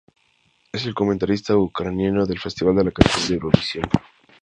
Es el comentarista ucraniano del Festival de la Canción de Eurovisión.